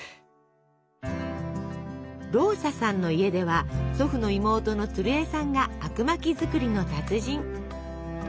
ローサさんの家では祖父の妹の鶴江さんがあくまき作りの達人。